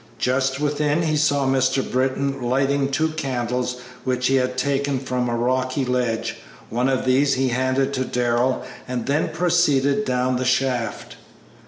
Just within he saw Mr. Britton lighting two candles which he had taken from a rocky ledge; one of these he handed to Darrell, and then proceeded down the shaft.